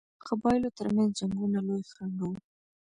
د قبایلو ترمنځ جنګونه لوی خنډ وو.